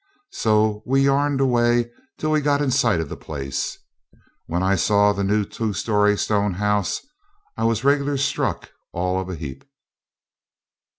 So we yarned away till we got in sight of the place. When I saw the new two story stone house I was regular struck all of a heap.